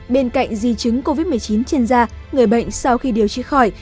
bên cạnh di chứng covid một mươi chín trên da người bệnh sau khi điều trị khỏi